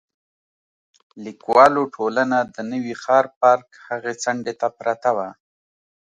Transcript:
لیکوالو ټولنه د نوي ښار پارک هغې څنډې ته پرته وه.